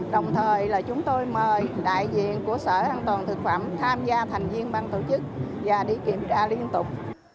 đồng thời là chúng tôi mời đại diện của sở an toàn thực phẩm tham gia thành viên ban tổ chức và đi kiểm tra liên tục